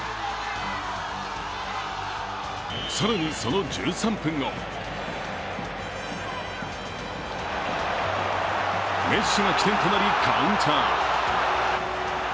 更にその１３分後メッシが起点となり、カウンター。